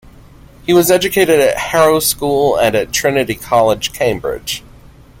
He was educated at Harrow School and at Trinity College, Cambridge.